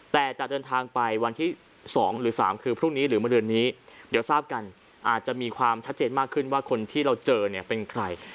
แต่จะเดินทางไปวันที่๒หรือ๓คือพรุ่งนี้หรือมาเดือนนี้เดี๋ยวทราบกันอาจจะมีความชัดเจนมากขึ้นว่าคนที่เราเจอเนี่ยเป็นใคร